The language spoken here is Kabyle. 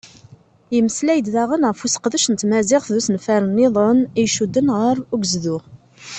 Yemmeslay-d daɣen ɣef useqdec n tmaziɣt d usenfar-nniḍen i icudden ɣar ugezdu.